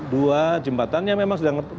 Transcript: dua jembatan yang memang sedang